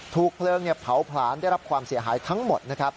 ถูกเพลิงเผาผลาญได้รับความเสียหายทั้งหมดนะครับ